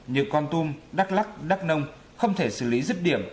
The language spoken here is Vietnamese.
như con tum đắk lắc đắk nông không thể xử lý rứt điểm